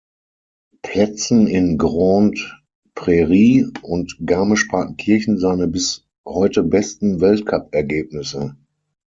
Plätzen in Grande Prairie und Garmisch-Partenkirchen seine bis heute besten Weltcupergebnisse.